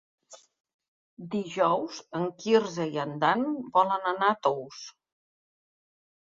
Dijous en Quirze i en Dan volen anar a Tous.